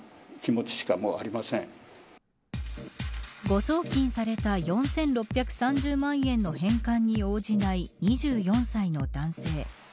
誤送金された４６３０万円の返還に応じない２４歳の男性。